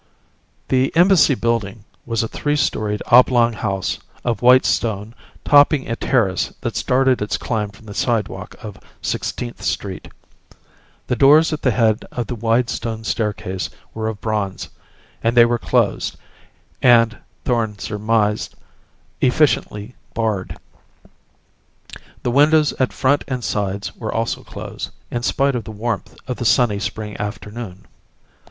The embassy building was a three storied oblong house of white stone topping a terrace that started its climb from the sidewalk of Sixteenth Street. The doors at the head of the wide stone staircase were of bronze; and they were closed, and, Thorn surmised, efficiently barred. The windows at front and sides were also closed, in spite of the warmth of the sunny spring afternoon.